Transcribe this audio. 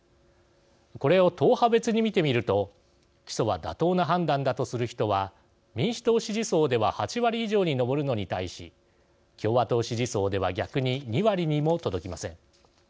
これを党派別に見てみると起訴は妥当な判断だとする人は民主党支持層では８割以上に上るのに対し共和党支持層では逆に２割にも届きません。